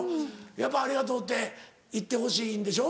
やっぱ「ありがとう」って言ってほしいんでしょ？